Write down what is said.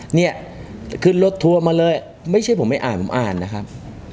เนี่ยขึ้นรถทัวร์มาเลยไม่ใช่ผมไม่อ่านผมอ่านนะครับ